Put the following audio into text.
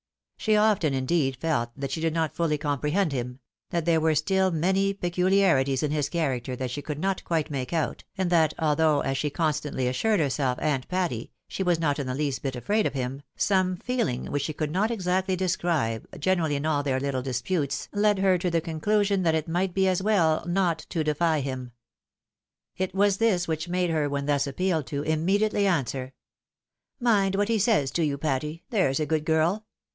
She often, indeed, felt that she did not fully comprehend him — that there were still many peculiarities in his character that she could not quite make out, and that, although, as she constantly assured herself and Patty, she was not in the least bit afraid of him, some feel ing which she could not exactly describe, generally in all their little disputes, led her to the conclusion that it might be as well not to defy him. It was this which made her, when thus ap pealed to, immediately answer, "Mind what he says to you, Patty, there's a good girl.